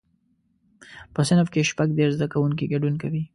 په صنف کې شپږ دیرش زده کوونکي ګډون کوي.